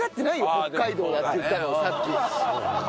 北海道だって言ったのさっき。